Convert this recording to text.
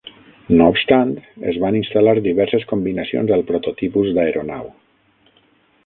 No obstant, es van instal·lar diverses combinacions al prototipus d'aeronau.